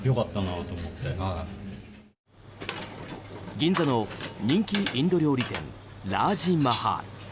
銀座の人気インド料理店ラージマハール。